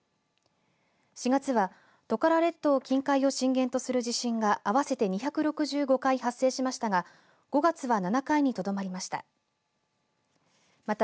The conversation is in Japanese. ４月は、トカラ列島近海を震源とする地震が合わせて２６５回発生しましたが５月は７回にとどまりました。